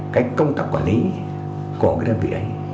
cách công tập quản lý của đơn vị ấy